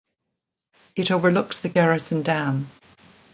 It overlooks the Garrison Dam.